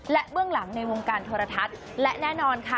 และเบื้องหลังในวงการโทรทัศน์และแน่นอนค่ะ